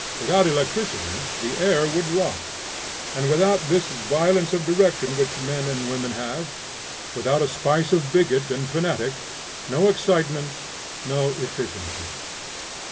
Without electricity the air would rot, and without this violence of direction which men and women have, without a spice of bigot and fanatic, no excitement, no efficiency.